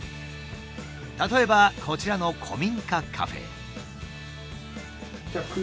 例えばこちらの古民家カフェ。